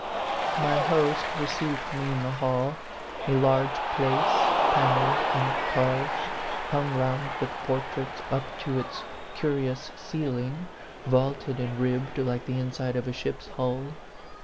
My host received me in the hall, a large place, panelled and carved, hung round with portraits up to its curious ceiling vaulted and ribbed like the inside of a ship's hull.